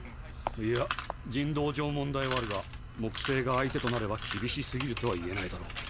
いや人道上問題はあるが木星が相手となれば厳しすぎるとは言えないだろう。